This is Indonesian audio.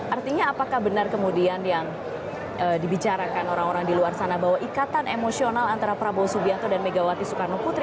artinya apakah benar kemudian yang dibicarakan orang orang di luar sana bahwa ikatan emosional antara prabowo subianto dan megawati soekarno putri